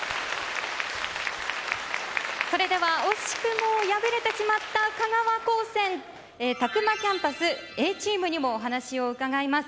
それでは惜しくも敗れてしまった香川高専詫間キャンパスＡチームにもお話を伺います。